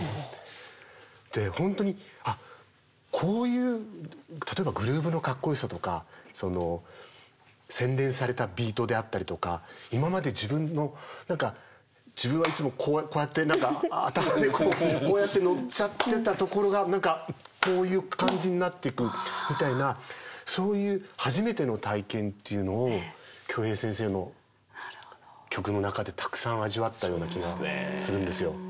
で本当にこういう例えばグルーブのかっこよさとか洗練されたビートであったりとか今まで自分の何か自分はいつもこうやってこうやって乗っちゃってたところが何かこういう感じになってくみたいなそういう初めての体験っていうのを京平先生の曲の中でたくさん味わったような気がするんですよ。